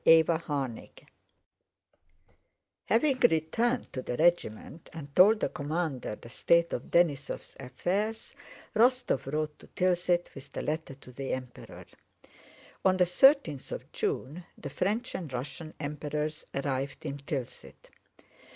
CHAPTER XIX Having returned to the regiment and told the commander the state of Denísov's affairs, Rostóv rode to Tilsit with the letter to the Emperor. On the thirteenth of June the French and Russian Emperors arrived in Tilsit.